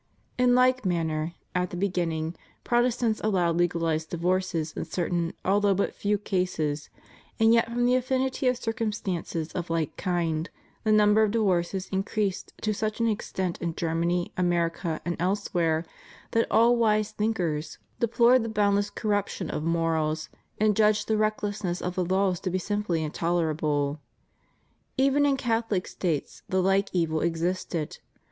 In like manner, at the beginning, Protestants allowed legalized divorces in certain although but few cases, and yet from the affinity of circumstances of Uke kind, the number of divorces increased to such extent in Germany, America, and elsewhere, that all wise thinkers deplored 76 CHRISTIAN MARRIAGE. the boundless corruption of morals, and judged the reck lessness of the laws to be simply intolerable. Even in Catholic States the like evil existed.